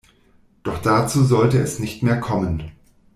Doch dazu sollte es nicht mehr kommen.